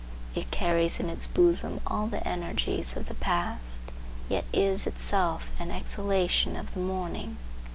It carries in its bosom all the energies of the past, yet is itself an exhalation of the morning.